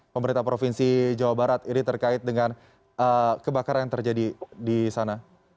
pemerintah provinsi jawa barat ini terkait dengan kebakaran yang terjadi di sana